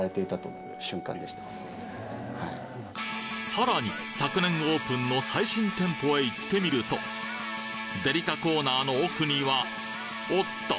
さらに昨年オープンの最新店舗へ行ってみるとデリカコーナーの奥にはおっと！